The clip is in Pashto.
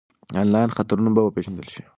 انلاین خطرونه به وپېژندل شي.